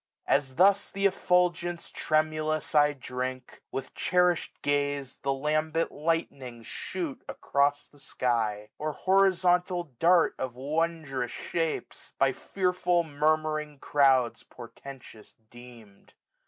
As thus th' effulgence tremulous I drink. With cherished gaze, the lambent lightnings shoot Across the sky ; or horizontal dart 1706 In wondrous shapes ; by fearful murmuring crowds Portentous deem'd.